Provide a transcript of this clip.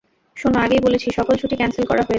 শোনো, আগেই বলেছি সকল ছুটি ক্যান্সেল করা হয়েছে!